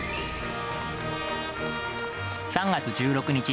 ３月１６日。